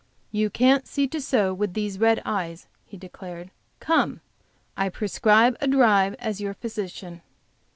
"You can't see to sew with these red eyes," he declared. "Come! I prescribe a drive, as your physician."